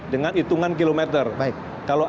dengan hitungan kilometer kalau